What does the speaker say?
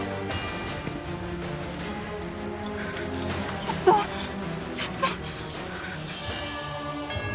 ちょっとちょっと。